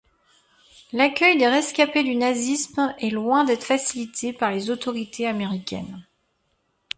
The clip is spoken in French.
L'accueil des rescapés du nazisme est loin d'être facilité par les autorités américaines.